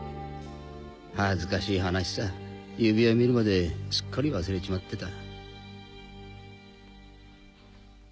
恥ずかしい話さ指輪を見るまですっかり忘れちまってた。